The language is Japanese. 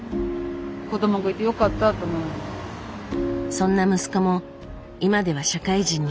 そんな息子も今では社会人に。